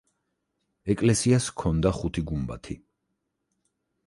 ეკლესიას ჰქონდა ხუთი გუმბათი.